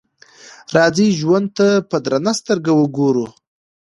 راځئ ژوند ته په درنه سترګه وګورو.